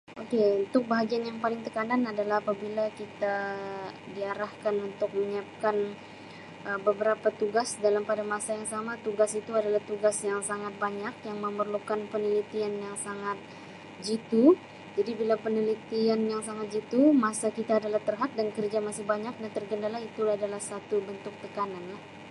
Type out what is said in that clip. Okay untuk bahagian yang paling tekanan adalah apabila kita diarahkan untuk menyiapkan Um beberapa tugas dalam pada masa yang sama tugas itu adalah tugas yang sangat banyak yang memerlukan penelitian yang sangat jitu jadi bila penelitian yang sangat jitu masa kita adalah terhad dan kerja masih banyak dan tergendala itu adalah satu bentuk tekanan lah.